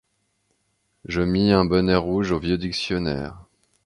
Je mis un bonnet rouge au vieux dictionnaire.